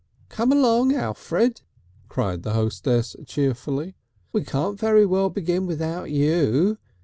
"Come along, Alfred," cried the hostess cheerfully. "We can't very well begin without you.